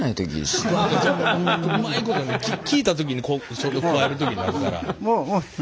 うまいことね聞いた時にこうちょうどくわえる時になるから。